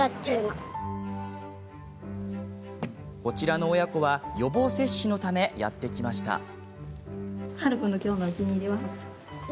こちらの親子は予防接種のため、やって来ました。